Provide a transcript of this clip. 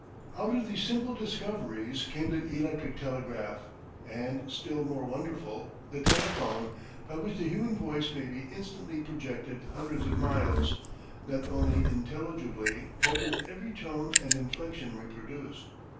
Out of these simple discoveries, came the electric telegraph, and, still more wonderful, the telephone, by which the human voice may be instantly projected hundreds of miles, not only intelligibly, but with every tone and inflection reproduced.